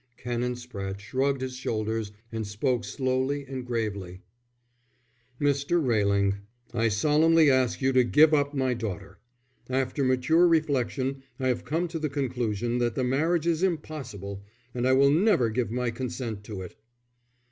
Canon Spratte shrugged his shoulders, and spoke slowly and gravely. "Mr. Railing, I solemnly ask you to give up my daughter. After mature reflection I have come to the conclusion that the marriage is impossible, and I will never give my consent to it."